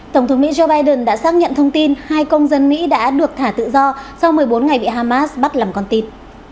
tổng thống mỹ joe biden đã xác nhận thông tin hai công dân mỹ đã được thả tự do sau một mươi bốn ngày bị hamas bắt làm con tịt